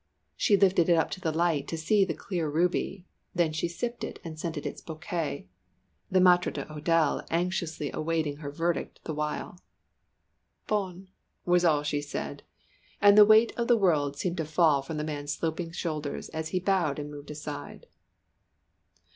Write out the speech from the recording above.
She lifted it up to the light to see the clear ruby, then she sipped it and scented its bouquet, the maître d'hôtel anxiously awaiting her verdict the while. "Bon," was all she said, and the weight of the world seemed to fall from the man's sloping shoulders as he bowed and moved aside.